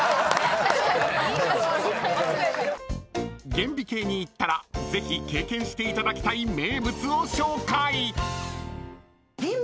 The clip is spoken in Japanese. ［厳美渓に行ったらぜひ経験していただきたい名物を紹介］